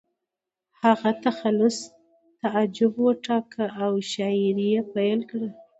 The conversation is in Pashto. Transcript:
هغه تخلص تعجب وټاکه او شاعري یې پیل کړه